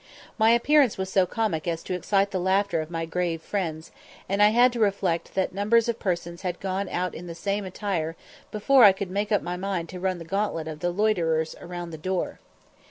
My appearance was so comic as to excite the laughter of my grave friends, and I had to reflect that numbers of persons had gone out in the same attire before I could make up my mind to run the gauntlet of the loiterers round the door.